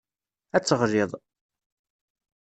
Ad teɣliḍ.